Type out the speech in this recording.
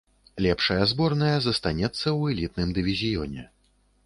Лепшая зборная застанецца ў элітным дывізіёне.